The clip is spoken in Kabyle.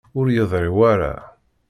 Ur yeḍṛi wara.